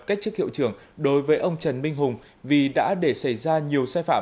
cách chức hiệu trưởng đối với ông trần minh hùng vì đã để xảy ra nhiều sai phạm